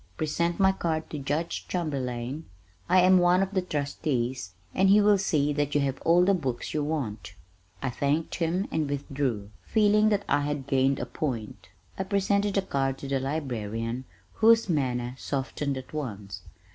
Present my card to Judge Chamberlain; I am one of the trustees, and he will see that you have all the books you want." I thanked him and withdrew, feeling that I had gained a point. I presented the card to the librarian whose manner softened at once.